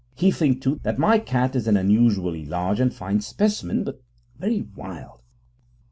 He thinks, too, that my cat is an unusually large and fine specimen, but very wild.